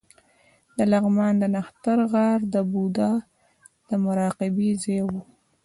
د لغمان د نښتر غار د بودا د مراقبې ځای و